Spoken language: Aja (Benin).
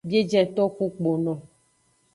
Biejenton ku kpono.